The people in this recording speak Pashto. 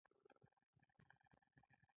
حل لاره یو بل پېژندل دي.